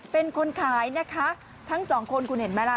เป็นคนขายนะคะทั้งสองคนคุณเห็นไหมล่ะ